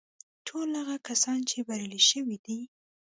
ټول هغه کسان چې بريالي شوي دي.